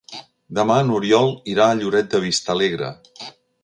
Demà n'Oriol irà a Lloret de Vistalegre.